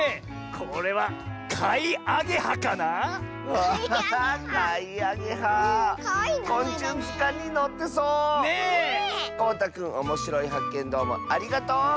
こうたくんおもしろいはっけんどうもありがとう！